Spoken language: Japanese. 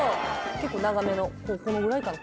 結構長めのこのぐらいかな？